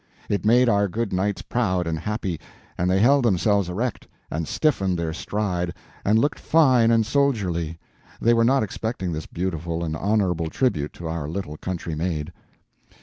It made our good knights proud and happy, and they held themselves erect, and stiffened their stride, and looked fine and soldierly. They were not expecting this beautiful and honorable tribute to our little country maid.